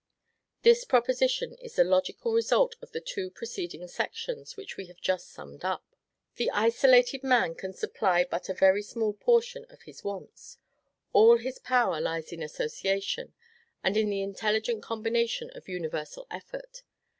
This proposition is the logical result of the two preceding sections, which we have just summed up. The isolated man can supply but a very small portion of his wants; all his power lies in association, and in the intelligent combination of universal effort.